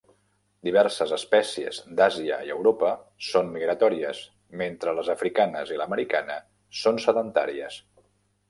Diverses espècies d'Àsia i Europa són migratòries, mentre les africanes i l'americana són sedentàries.